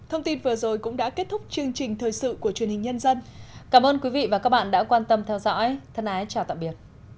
hãy đăng ký kênh để ủng hộ kênh của mình nhé